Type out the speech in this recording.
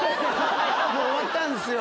もう終わったんすよ。